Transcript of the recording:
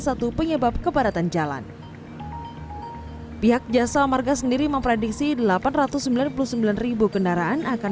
satu penyebab kebaratan jalan pihak jasa marga sendiri memprediksi delapan ratus sembilan puluh sembilan kendaraan akan